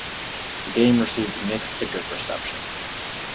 The game received mixed to good reception.